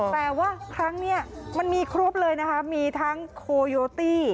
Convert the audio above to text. แต่ว่าครั้งนี้มันมีครบเลยนะคะมีทั้งโคโยตี้